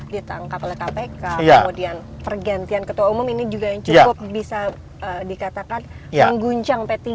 tentang kplkpk kemudian pergantian ketua umum ini juga cukup bisa dikatakan mengguncang p tiga